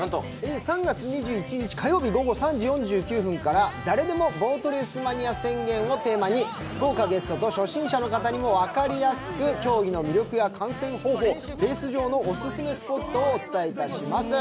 ３月２１日火曜日午後３時４９分から誰でもボートレースマニア宣言をテーマに、豪華ゲストと初心者の方にも分かりやすく競技の魅力と観戦方法、レース場のオススメスポットをお伝えします。